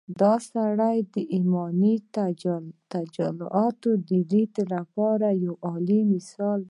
دا سړی د ايماني تجلياتود ليدو لپاره يو اعلی مثال دی.